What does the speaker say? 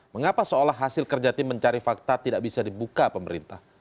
mengapa seolah hasil kerja tim mencari fakta tidak bisa dibuka pemerintah